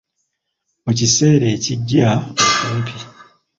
Mu kiseera ekijja okumpi.